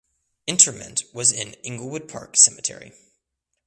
Interment was in Inglewood Park Cemetery.